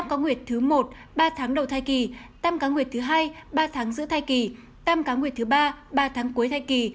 ba cá nguyệt thứ một ba tháng đầu thai kỳ ba cá nguyệt thứ hai ba tháng giữa thai kỳ ba cá nguyệt thứ ba ba tháng cuối thai kỳ